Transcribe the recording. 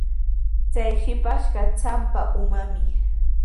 Chay shipashqa trapsa umami.